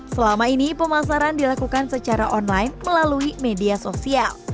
selama ini pemasaran dilakukan secara online melalui media sosial